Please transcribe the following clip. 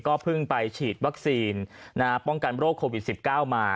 เพิ่งไปฉีดวัคซีนป้องกันโรคโควิด๑๙มา